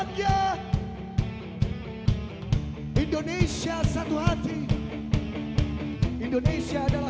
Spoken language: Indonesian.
ke angkasa ku akan terbang